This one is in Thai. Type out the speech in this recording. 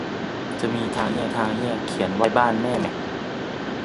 จะมีทางแยกเขียนว่าไปบ้านแม่แมะ